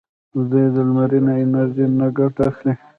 دوی د لمرینه انرژۍ نه ګټه اخلي.